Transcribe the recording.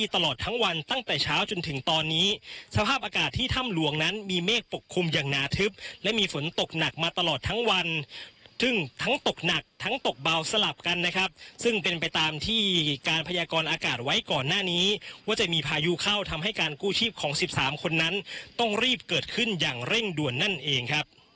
ตลอดทั้งวันตั้งแต่เช้าจนถึงตอนนี้สภาพอากาศที่ถ้ำหลวงนั้นมีเมฆปกคลุมอย่างหนาทึบและมีฝนตกหนักมาตลอดทั้งวันซึ่งทั้งตกหนักทั้งตกเบาสลับกันนะครับซึ่งเป็นไปตามที่การพยากรอากาศไว้ก่อนหน้านี้ว่าจะมีพายุเข้าทำให้การกู้ชีพของ๑๓คนนั้นต้องรีบเกิดขึ้นอย่างเร่งด่วนนั่นเองครับ